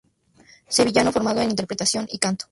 Sevillano, formado en interpretación y canto.